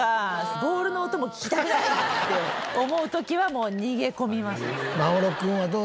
ボールの音も聞きたくないって思う時はもう逃げ込みますね。